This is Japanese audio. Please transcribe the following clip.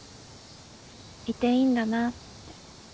いていいんだなって。